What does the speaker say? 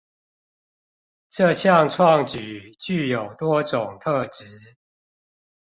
這項創舉具有多種特質